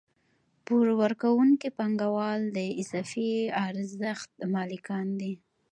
پور ورکوونکي پانګوال د اضافي ارزښت مالکان دي